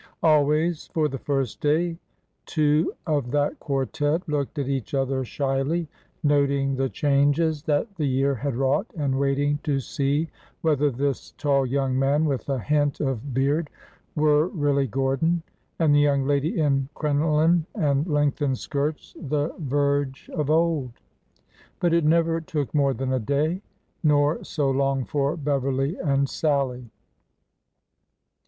Always, for the first day, two of that quartet looked at each other shyly, noting the changes that the year had wrought and waiting to see whether this tall young man with a hint of beard were really Gordon, and the young lady in crinoline and lengthened skirts the Virge of old. But it never took more than a day, nor so long for Beverly and Sallie.